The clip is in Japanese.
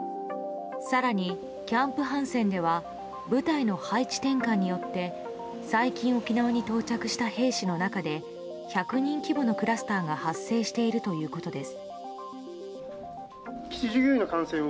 更にキャンプ・ハンセンでは部隊の配置転換によって最近、沖縄に到着した兵士の中で１００人規模のクラスターが発生しているということです。